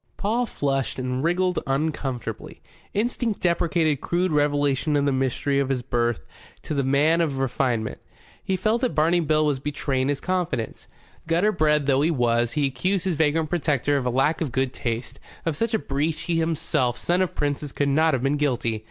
Paul flushed and wriggled uncomfortably. Instinct deprecated crude revelation of the mystery of his birth to the man of refinement. He felt that Barney Bill was betraying confidence. Gutter bred though he was, he accused his vagrant protector of a lack of good taste. Of such a breach he himself, son of princes, could not have been guilty.